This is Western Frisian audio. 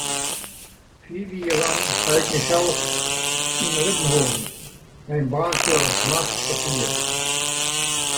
Fiif jier lang ha ik mysels yn libben holden mei in baantsje as nachtportier.